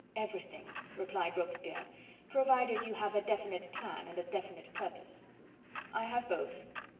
"Everything," replied Robespierre, "provided you have a definite plan and a definite purpose. "I have both.